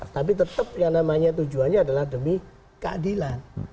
tapi tetap yang namanya tujuannya adalah demi keadilan